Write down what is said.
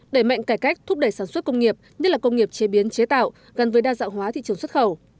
đẩy mạnh cải cách thúc đẩy sản xuất công nghiệp như là công nghiệp chế biến chế tạo gắn với đa dạng hóa thị trường xuất khẩu